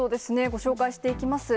ご紹介していきます。